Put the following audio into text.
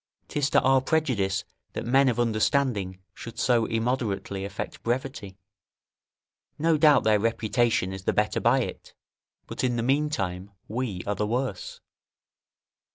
'Tis to our prejudice that men of understanding should so immoderately affect brevity; no doubt their reputation is the better by it, but in the meantime we are the worse.